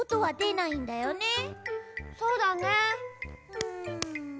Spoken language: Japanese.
うん？